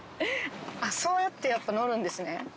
そうやってやっぱ乗るんですね。